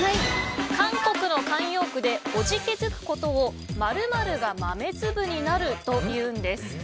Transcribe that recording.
韓国の慣用句でおじけづくことを〇〇が豆粒になるというんです。